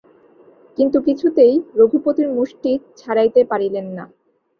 কিন্তু কিছুতেই রঘুপতির মুষ্টি ছাড়াইতে পারিলেন না।